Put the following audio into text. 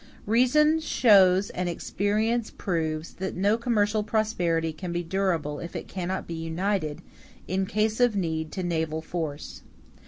Reason shows and experience proves that no commercial prosperity can be durable if it cannot be united, in case of need, to naval force.